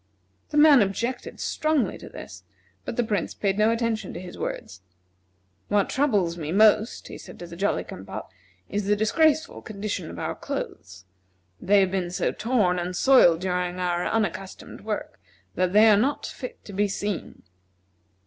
The man objected strongly to this, but the Prince paid no attention to his words. "What troubles me most," he said to the Jolly cum pop, "is the disgraceful condition of our clothes. They have been so torn and soiled during our unaccustomed work that they are not fit to be seen."